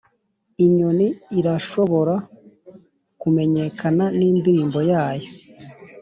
inyoni irashobora kumenyekana nindirimbo yayo.